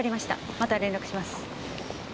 また連絡します。